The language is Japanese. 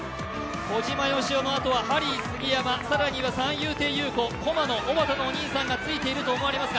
小島よしおのあとはハリー杉山、更には三遊亭遊子、駒野、おばたのお兄さんがついていると思われます。